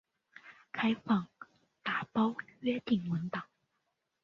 开放打包约定文档。